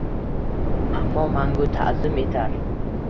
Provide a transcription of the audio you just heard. Ammo mangu ta’zim etar